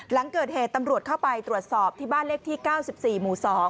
หลังเกิดเหตุตำรวจเข้าไปตรวจสอบที่บ้านเลขที่๙๔หมู่๒